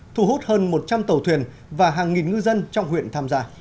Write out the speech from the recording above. thu hút hơn một trăm linh tàu thuyền và hàng nghìn ngư dân trong huyện tham gia